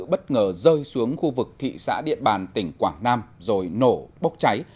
bất ngờ rơi xuống khu vực thị xã điện bàn tỉnh quảng nam rồi nổ bốc cháy